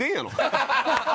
ハハハハ！